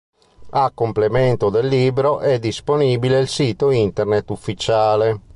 A complemento del libro, è disponibile il sito internet ufficiale.